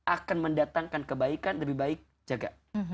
akan mendatangkan kebaikan lebih baik jaga